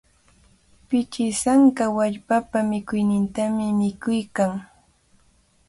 Pichisanka wallpapa mikuynintami mikuykan.